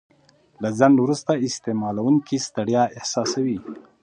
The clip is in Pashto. له ځنډه وروسته استعمالوونکی ستړیا احساسوي.